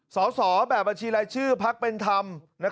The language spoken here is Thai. สองแบบอาชีพไรชื่อภักดิ์เป็นธรรม